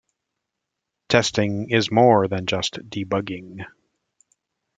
Testing is more than just debugging.